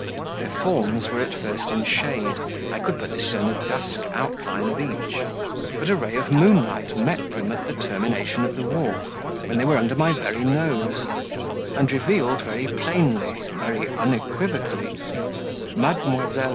Their forms were at first in shade, I could but discern a dusk outline of each, but a ray of moonlight met them at the termination of the walk, when they were under my very nose, and revealed very plainly, very unequivocally, Mdlle.